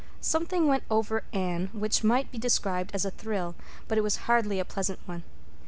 Something went over Anne which might be described as a thrill, but it was hardly a pleasant one.